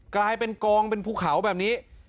กลายเป็นกองเป็นภูเขาแบบนี้